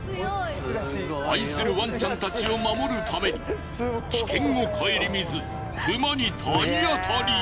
愛するワンちゃんたちを守るために危険を顧みず熊に体当たり。